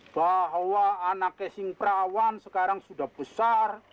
bahwa anak kesing perawan sekarang sudah besar